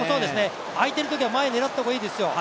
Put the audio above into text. あいてるときは前狙った方がいいですよ。